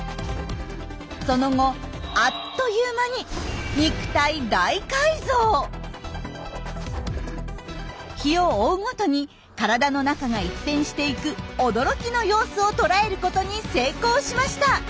その後あっという間に日を追うごとに体の中が一変していく驚きの様子を捉えることに成功しました。